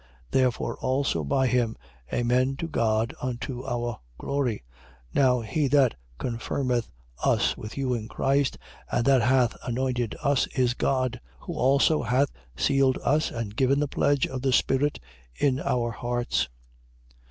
Therefore also by him, amen to God, unto our glory. 1:21. Now he that confirmeth us with you in Christ and that hath anointed us, is God: 1:22. Who also hath sealed us and given the pledge of the Spirit in our hearts.